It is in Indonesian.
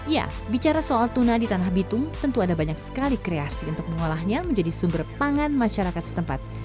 ya bicara soal tuna di tanah bitung tentu ada banyak sekali kreasi untuk mengolahnya menjadi sumber pangan masyarakat setempat